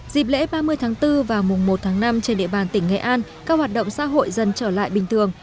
dịp lễ ba mươi tháng bốn và mùng một tháng năm trên địa bàn tỉnh nghệ an các hoạt động xã hội dần trở lại bình thường